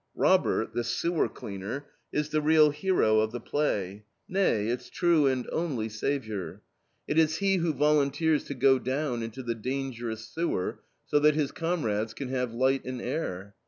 Robert, the sewer cleaner, is the real hero of the play; nay, its true and only savior. It is he who volunteers to go down into the dangerous sewer, so that his comrades "can 'ave light and air."